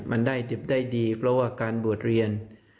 มันได้ดิบได้ดีเพราะว่าการบวชเรียน